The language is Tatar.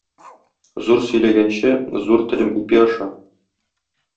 Зур сөйләгәнче, зур телем ипи аша.